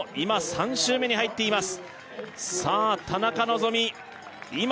３周目に入っています